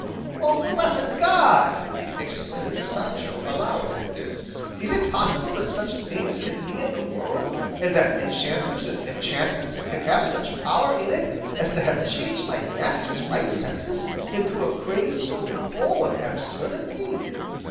"O blessed God!" exclaimed Sancho aloud at this, "is it possible that such things can be in the world, and that enchanters and enchantments can have such power in it as to have changed my master's right senses into a craze so full of absurdity!